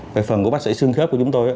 về phần của bác sĩ xương khớp của chúng tôi